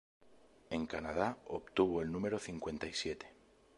En Canadá obtuvo el número cincuenta y siete.